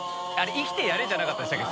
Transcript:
「生きてやれ」じゃなかったでしたっけ？